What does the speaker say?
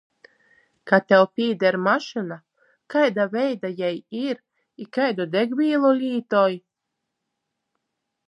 Ka Tev pīdar mašyna, kaida veida jei ir i kaidu dagvīlu lītoj?